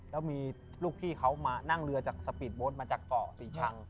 แล้วมีลูกพี่เขามานั่งเรือจากสปีดโบ๊ทมาจากเกาะศรีชัง